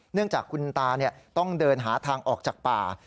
เนื่องจากคุณตาต้องเดินหาทางออกจากป่า